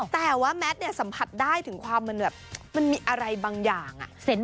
แต่ว่าแมทเนี่ยสัมผัสได้ถึงความมันแบบมันมีอะไรบางอย่าง